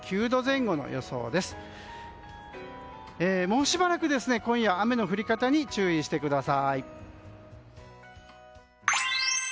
もうしばらく今夜、雨の降り方に注意してください。